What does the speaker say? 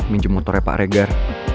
minjem motornya pak regar